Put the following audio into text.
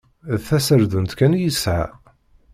D taserdunt kan i yesεa.